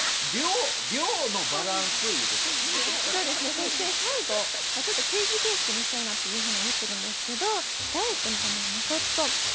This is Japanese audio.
そして最後ちょっとクイズ形式にしたいなっていうふうに思ってるんですけどダイエットのためのメソッド。